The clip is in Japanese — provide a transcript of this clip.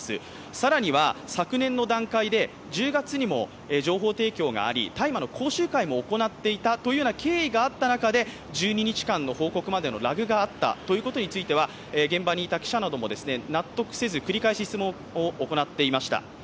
更には昨年の段階で１０月にも情報提供があり、大麻の講習会も行っていたという経緯もあった中で、１２日間の報告までのラグがあったということは、現場の記者なども納得せず、繰り返し質問を行っていました。